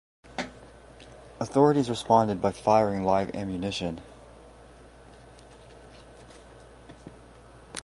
Authorities responded by firing live ammunition.